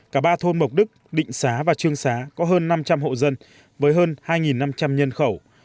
cả ba thôn mộc đức định xá và trương xá có hơn năm trăm linh hộ dân với hơn hai năm trăm linh nhân khẩu